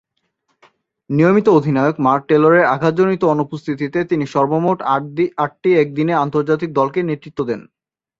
নিয়মিত অধিনায়ক মার্ক টেলরের আঘাতজনিত অনুপস্থিতিতে তিনি সর্বমোট আটটি একদিনের আন্তর্জাতিকে দলকে নেতৃত্ব দেন।